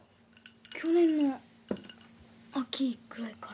去年の秋ぐらいからです。